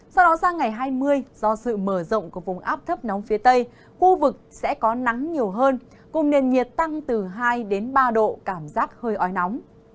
sau đó sang ngày hai mươi do sự mở rộng của vùng áp thấp nóng phía tây khu vực sẽ có nắng nhiều hơn cùng nền nhiệt tăng từ hai ba độ cảm giác hơi oi nóng